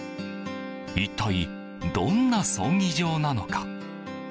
一体どんな葬儀場なのか。